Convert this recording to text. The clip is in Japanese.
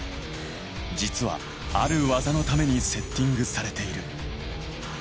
実はある技のためにセッティングされている。